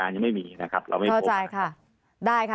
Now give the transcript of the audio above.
ร่วมมีตัวศาล